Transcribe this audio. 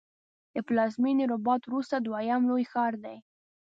د پلازمېنې رباط وروسته دویم لوی ښار دی.